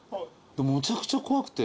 むちゃくちゃ怖くて。